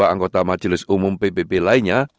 dua anggota majelis umum pbb lainnya